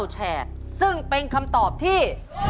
แชร์ซึ่งเป็นคำตอบที่